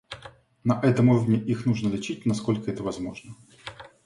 На этом уровне их нужно лечить, насколько это возможно.